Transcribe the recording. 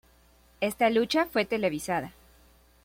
Esta lucha fue televisada.